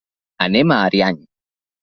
Anem a Ariany.